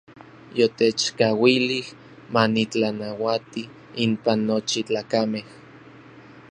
Yotechkauilij ma nitlanauati inpan nochi tlakamej.